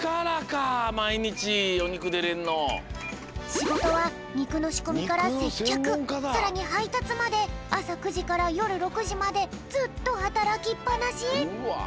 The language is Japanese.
しごとはにくのしこみからせっきゃくさらにはいたつまであさ９じからよる６じまでずっとはたらきっぱなし。